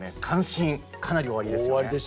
関心、かなりおありですよね？